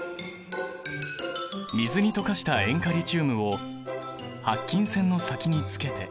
水に溶かした塩化リチウムを白金線の先につけて。